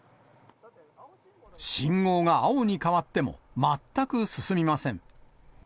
信号が青に変わっても、全く進みません。